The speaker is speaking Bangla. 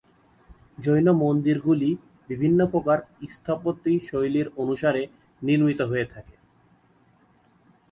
জৈন মন্দিরগুলি বিভিন্ন প্রকার স্থাপত্যশৈলী অনুসারে নির্মিত হয়ে থাকে।